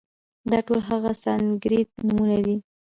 دا ټول هغه سانسکریت نومونه دي،